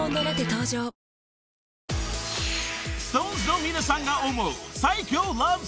［ＳｉｘＴＯＮＥＳの皆さんが思う最強ラブソング］